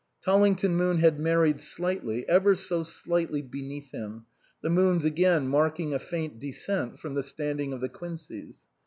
Tolling ton Moon had married slightly, ever so slightly beneath him, the Moons again marking a faint descent from the standing of the Quinceys.